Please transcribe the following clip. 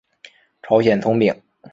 朝鲜葱饼。